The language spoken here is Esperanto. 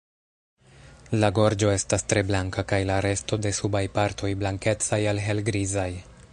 La gorĝo estas tre blanka kaj la resto de subaj partoj blankecaj al helgrizaj.